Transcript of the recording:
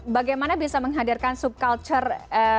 bagaimana bisa menghadirkan subculture